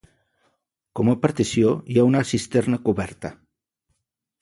Com a partició hi ha una cisterna coberta.